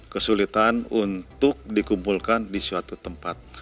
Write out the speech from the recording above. kesulitan untuk dikumpulkan di suatu tempat